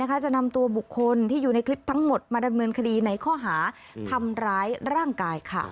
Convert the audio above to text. จะนำตัวบุคคลที่อยู่ในคลิปทั้งหมดมาดำเนินคดีในข้อหาทำร้ายร่างกายค่ะ